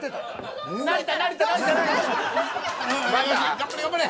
頑張れ頑張れ。